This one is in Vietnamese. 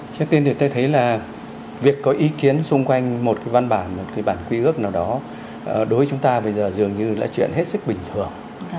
trước tiên thì tôi thấy là việc có ý kiến xung quanh một cái văn bản một cái bản quy ước nào đó đối với chúng ta bây giờ dường như là chuyện hết sức bình thường